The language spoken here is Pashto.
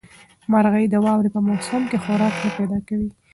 مرغۍ د واورې په موسم کې خوراک نه پیدا کوي.